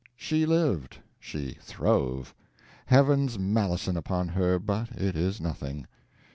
She lived, she throve Heaven's malison upon her! But it is nothing.